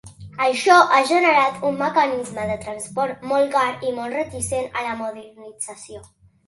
Això ha generat un mecanisme de transport molt car i molt reticent a la modernització.